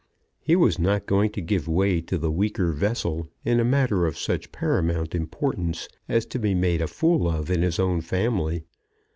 He was not going to give way to the weaker vessel in a matter of such paramount importance, as to be made a fool of in his own family.